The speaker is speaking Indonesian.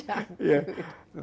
bukan ayam bertepung